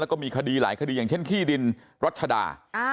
แล้วก็มีคดีหลายคดีอย่างเช่นขี้ดินรัชดา